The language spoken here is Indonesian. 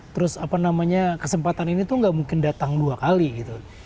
terus apa namanya kesempatan ini tuh gak mungkin datang dua kali gitu